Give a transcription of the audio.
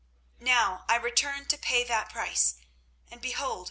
"Now I return to pay that price, and behold!